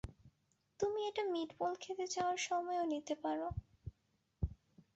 তুমি এটা মিটবল খেতে যাওয়ার সময় ও নিতে পারো।